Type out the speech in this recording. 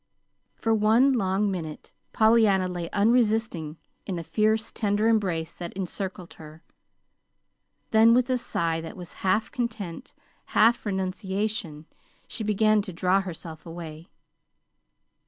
For one long minute Pollyanna lay unresisting in the fiercely tender embrace that encircled her; then with a sigh that was half content, half renunciation, she began to draw herself away.